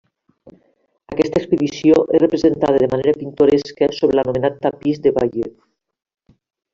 Aquesta expedició és representada de manera pintoresca sobre l'anomenat tapís de Bayeux.